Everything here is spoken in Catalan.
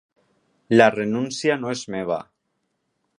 La renúncia no és meva.